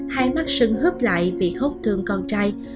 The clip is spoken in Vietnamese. hai mắt sưng hớp lại vì khóc thương con trai